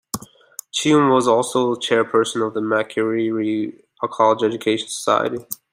Chiume was also chairperson of the Makerere College Education Society.